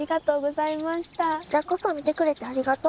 こちらこそ見てくれてありがとう。